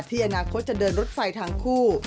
อนาคตจะเดินรถไฟทางคู่